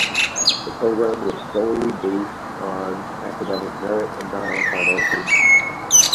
The program was solely based on academic merit and not on financial need.